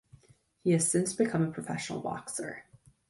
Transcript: He has since become a professional boxer.